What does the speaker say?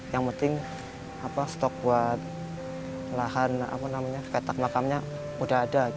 yang penting stok buat lahan petak makamnya udah ada